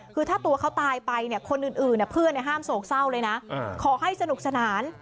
คือถ้าตัวเขาตายไปเนี่ยคนอื่นเพื่อนห้ามโศกเศร้าเลยนะขอให้สนุกสนาน